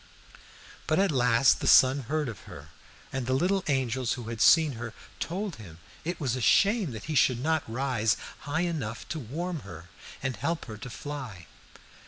"But at last the sun heard of her, and the little angels who had seen her told him it was a shame that he should not rise high enough to warm her and help her to fly.